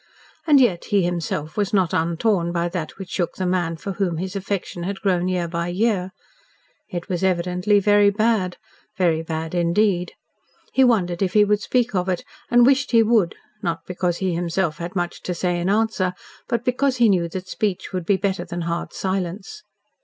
And yet, he himself was not untorn by that which shook the man for whom his affection had grown year by year. It was evidently very bad very bad, indeed. He wondered if he would speak of it, and wished he would, not because he himself had much to say in answer, but because he knew that speech would be better than hard silence.